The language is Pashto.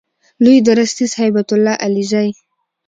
لوی درستیز هیبت الله علیزی